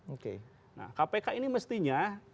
oke nah kpk ini mestinya